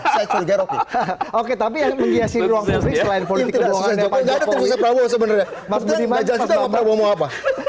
satu oke tapi yang menghiasi ruang publik lain politik sebenarnya masjid di majapahla mau apa